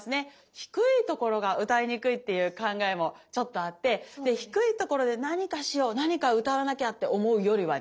低いところが歌いにくいっていう考えもちょっとあってで低いところで何かしよう何か歌わなきゃって思うよりはね